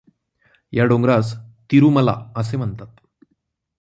या डोंगरास तिरुमला असे म्हणतात.